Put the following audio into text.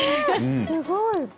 すごい。